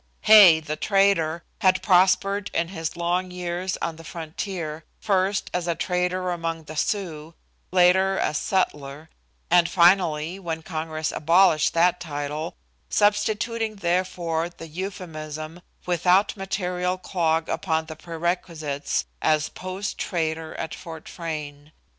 Hay, the trader, had prospered in his long years on the frontier, first as trader among the Sioux, later as sutler, and finally, when Congress abolished that title, substituting therefore the euphemism, without material clog upon the perquisites, as post trader at Fort Frayne.